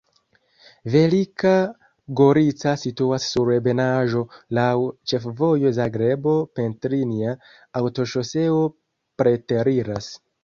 Velika Gorica situas sur ebenaĵo, laŭ ĉefvojo Zagrebo-Petrinja, aŭtoŝoseo preteriras.